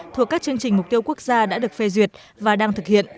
thuộc các chương trình mục tiêu quốc gia đã được phê duyệt và đang thực hiện